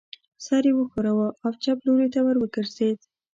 سر یې و ښوراوه او چپ لوري ته ور وګرځېد.